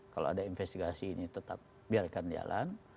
kalau ada investigasi ini tetap biarkan jalan